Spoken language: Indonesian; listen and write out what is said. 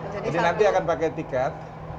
jadi nanti akan pakai tiket